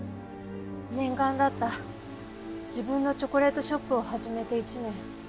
念願だった自分のチョコレートショップを始めて一年。